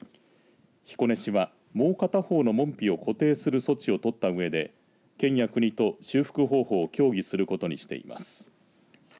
彦根市はもう片方の門扉を固定する措置を取ったうえで県や国と修復方法を協議することにしています。